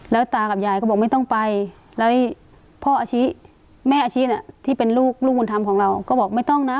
แล้วตากับยายก็บอกไม่ต้องไปแล้วพ่ออาชิแม่อาชิที่เป็นลูกลูกบุญธรรมของเราก็บอกไม่ต้องนะ